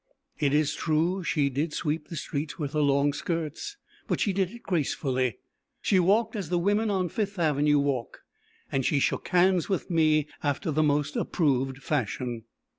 It is true, she did sweep the streets with her long skirts; but she did it gracefully. She walked as the women on Fifth Avenue walk, and she shook hands with me after the most approved fashion.